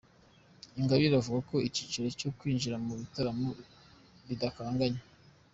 Ingabire avuga ko igiciro cyo kwinjira mu gitaramo kidakanganye.